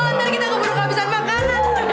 nanti kita ngobrol kehabisan makanan